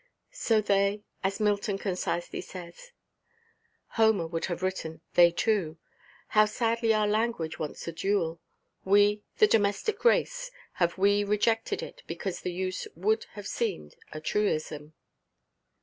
So they—as Milton concisely says. Homer would have written "they two." How sadly our language wants a dual! We, the domestic race, have we rejected it because the use would have seemed a truism?